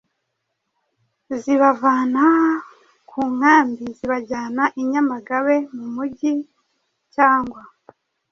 zibavana ku nkambi zibajyana i Nyamagabe mu mujyi cyangwa